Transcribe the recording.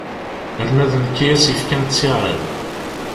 Yerna d nekk i as-yefkan ttiɛad.